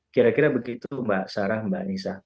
kira kira begitu mbak sarah mbak anissa